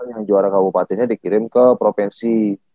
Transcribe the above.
yang juara kabupaten nya dikirim ke provinsi